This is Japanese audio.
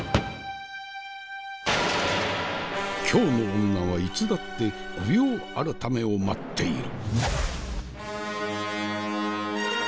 京の女はいつだって御用改めを待っている。